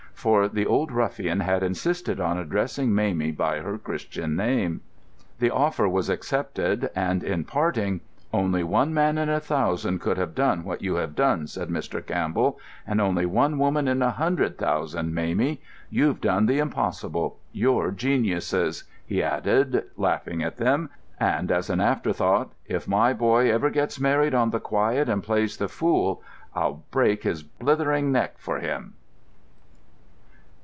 For the old ruffian had insisted on addressing Mamie by her Christian name. The offer was accepted, and in parting, "Only one man in a thousand could have done what you have done," said Mr. Campbell; "and only one woman in a hundred thousand, Mamie. You've done the impossible; you're geniuses," he ended, laughing at them; and, as an afterthought, "If my boy ever gets married on the quiet and plays the fool, I'll break his blethering neck for him!"